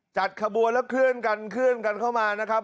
จัดขบวนแล้วเคลื่อนกันเคลื่อนกันเข้ามานะครับ